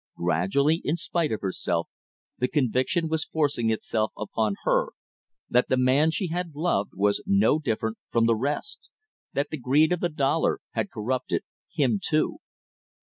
Gradually, in spite of herself, the conviction was forcing itself upon her that the man she had loved was no different from the rest; that the greed of the dollar had corrupted him too.